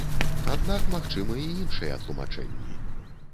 Аднак магчымы і іншыя тлумачэнні.